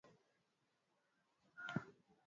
kutokana na uchafuzi wa hewa ulimwenguni